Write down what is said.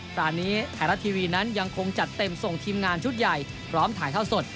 ร้านนี้ไทยรัฐทีวีนั้นยังคงจัดเต็มส่งทีมงานชุดใหญ่พร้อมถ่ายเท่าสด